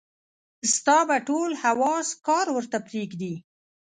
ستا به ټول حواص کار ورته پرېږدي.